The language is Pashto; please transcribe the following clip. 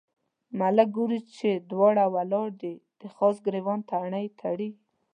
ملک ګوري چې دواړه ولاړ دي، د خلاص ګرېوان تڼۍ تړي.